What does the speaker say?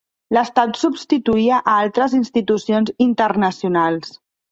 L'Estat substituïa a altres institucions internacionals.